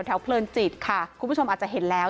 เพลินจิตค่ะคุณผู้ชมอาจจะเห็นแล้ว